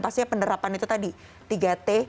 pastinya penerapan itu tadi tiga t